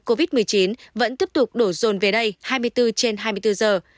bệnh viện covid một mươi chín vẫn tiếp tục đổ dồn về đây hai mươi bốn trên hai mươi bốn giờ